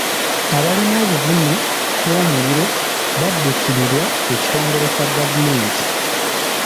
Abalina obuvune bw’omuliro badduukirirwa ekitongole kya gavumenti.